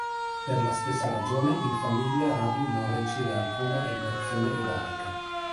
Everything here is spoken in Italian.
Per la stessa ragione, in famiglia Radu non riceve alcuna educazione ebraica.